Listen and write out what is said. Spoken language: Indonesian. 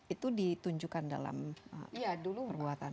itu ditunjukkan dalam perbuatan